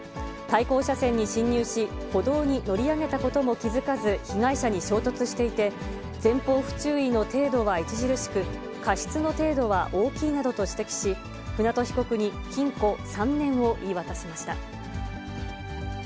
対向車線に侵入し、歩道に乗り上げたことも気付かず、被害者に衝突していて、前方不注意の程度は著しく、過失の程度は大きいなどと指摘し、舟渡被告に禁錮３年を言い渡しました。